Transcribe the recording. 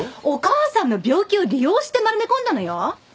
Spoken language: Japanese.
お母さんの病気を利用して丸め込んだのよ？